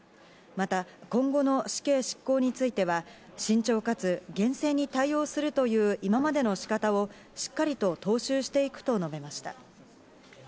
また今後の死刑執行については慎重かつ厳正に対応するという今までの仕方をしっかりと踏襲していくと述べました。